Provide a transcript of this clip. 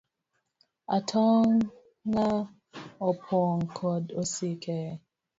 Atong'a opong kod osike .